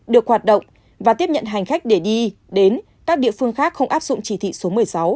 được hoạt động và tiếp nhận hành khách để đi đến các địa phương khác không áp dụng chỉ thị số một mươi sáu